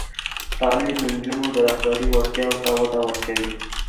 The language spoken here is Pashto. تعلیم د نجونو د رهبري وړتیاوو ته وده ورکوي.